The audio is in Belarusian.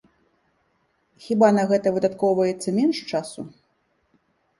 Хіба на гэта выдаткоўваецца менш часу?